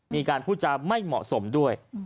มีการพูดจาไม่เหมาะสมด้วย